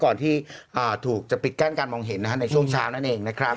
ก่อนที่ถูกจะปิดกั้นการมองเห็นในช่วงเช้านั่นเองนะครับ